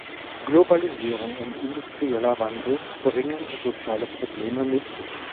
Globalisierung und industrieller Wandel bringen soziale Probleme mit sich.